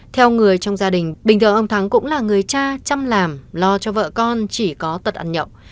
theo người trong gia đình bình thường ông thắng cũng là người cha chăm làm lo cho vợ con chỉ có tật ăn nhậu